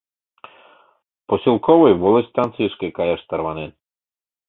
— Поселковый волостъ станцийышке каяш тарванен...